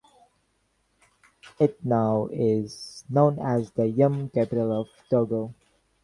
It now is known as the yam capital of Togo.